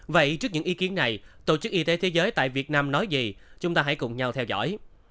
vậy trước những ý kiến này tổ chức y tế thế giới tại việt nam nói gì chúng ta hãy cùng nhau theo dõi